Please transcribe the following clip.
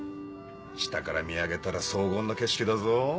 下から見上げたら荘厳な景色だぞ。